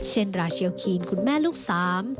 เช่นราชเชียลคีนคุณแม่ลูกสาม